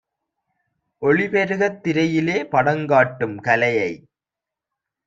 ஒளிபெருகத் திரையினிலே படங்காட்டும் கலையைத்